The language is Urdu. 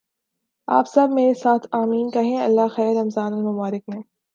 آپ سب میرے ساتھ "آمین" کہیں اللہ خیر! رمضان المبارک میں